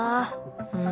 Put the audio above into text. うん。